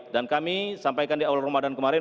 dan kami sampaikan di awal ramadan kemarin